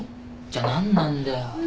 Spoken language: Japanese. じゃあ何なんだよ？